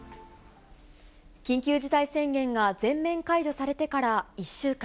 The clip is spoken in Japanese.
緊急事態宣言が全面解除されてから１週間。